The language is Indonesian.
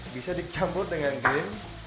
bisa dicampur dengan krim